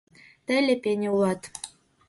Тый лепене улат.